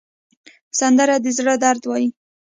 سندره د زړه درد وایي